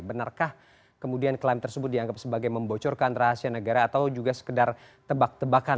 benarkah kemudian klaim tersebut dianggap sebagai membocorkan rahasia negara atau juga sekedar tebak tebakan